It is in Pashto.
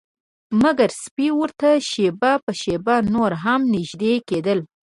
مګر سپي ورته شیبه په شیبه نور هم نږدې کیدل